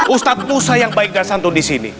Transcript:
ustadz musa yang baiknya santun di sini